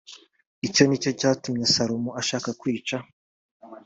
icyo ni cyo cyatumye salomo ashaka kwica